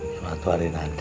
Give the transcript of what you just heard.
suatu hari nanti